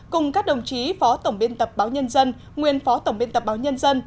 cùng các đồng chí phó tổng biên tập báo nhân dân nguyên phó tổng biên tập báo nhân dân